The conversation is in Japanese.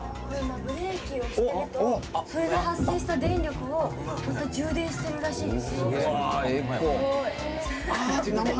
ブレーキをかけると、それで発生した電力を充電してるらしいですよ。